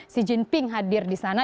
si jinping hadir disana